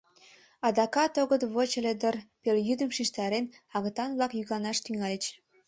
Адакат огыт воч ыле дыр, пелйӱдым шижтарен, агытан-влак йӱкланаш тӱҥальыч.